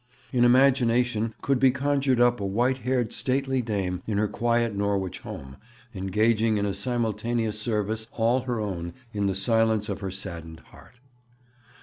In imagination could be conjured up a white haired stately dame in her quiet Norwich home, engaging in a simultaneous service all her own in the silence of her saddened heart.